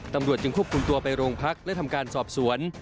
ตำรวจจึงควบคุมตัวไปโรงพักและทำการสอบสวน